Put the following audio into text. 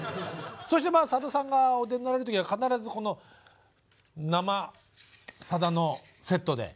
そしてさださんがお出になられる時は必ずこの「生さだ」のセットで。